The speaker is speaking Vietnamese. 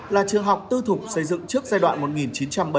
là trường học tư thục xây dựng trước giai đoạn một nghìn chín trăm bảy mươi năm